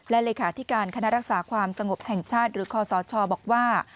และเลขาธิการคณะรักษาความสงบแห่งชาติหรือคอสชบอกว่า